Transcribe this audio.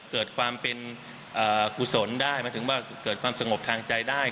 เกิดความเป็นกุศลได้หมายถึงว่าเกิดความสงบทางใจได้